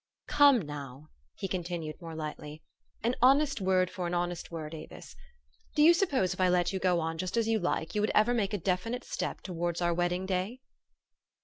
"Come, now," he continued more lightly, "an honest word for an honest word, Avis ! Do you sup pose, if I let you go on just as you like, you would ever make a definite step towards our wedding day?"